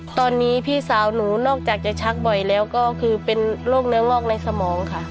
ตอนนี้พี่สาวหนูนอกจากจะชักบ่อยแล้วก็คือเป็นโรคเนื้องอกในสมองค่ะ